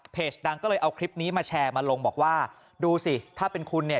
ดังก็เลยเอาคลิปนี้มาแชร์มาลงบอกว่าดูสิถ้าเป็นคุณเนี่ย